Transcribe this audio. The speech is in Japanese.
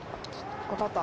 わかった。